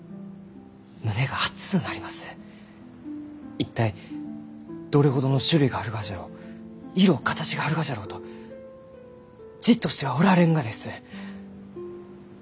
一体どれほどの種類があるがじゃろう色形があるがじゃろうとじっとしてはおられんがです！